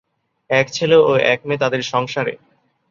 এক ছেলে ও এক মেয়ে তাদের সংসারে।